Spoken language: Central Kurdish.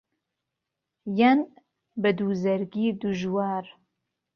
یان به دووزەرگی دوژوار